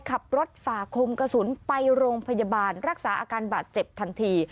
ขับรถฝ่าคมกระสุนไปโรงพยาบาลรักษาอาการบาดเจ็บทันที